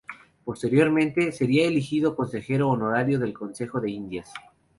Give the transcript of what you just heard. Posteriormente, sería elegido consejero honorario del Consejo de Indias.